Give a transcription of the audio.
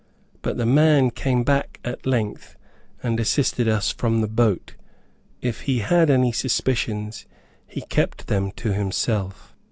But the man came back at length, and, assisted us from the boat. If he had any suspicions he kept them to himself.